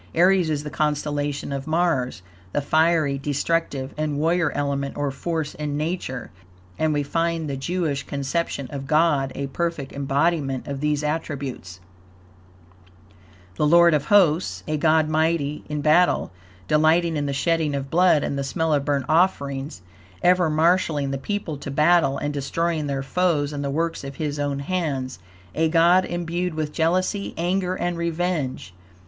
Aries is the constellation of Mars, the fiery, destructive and warrior element, or force, in Nature, and we find the Jewish conception of God a perfect embodiment of these attributes: The Lord of Hosts, a God mighty in battle, delighting in the shedding of blood and the smell of burnt offerings, ever marshalling the people to battle and destroying their foes and the works of his own hands; a God imbued with jealousy, anger, and revenge.